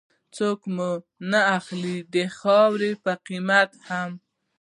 څوک مو نه اخلي د خاورو په قيمت هم